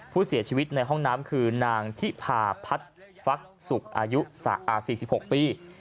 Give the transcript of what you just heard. ผู้เสียชีวิตในห้องน้ำคือนางทิพาพัฒน์ฟักศุกร์อายุ๔๖ปี